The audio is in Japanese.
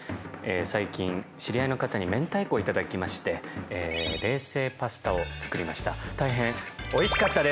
最近知り合いの方にめんたいこを頂きまして冷製パスタを作りました。